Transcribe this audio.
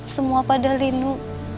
semua pada linu